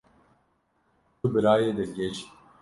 Tu birayê dilgeş î.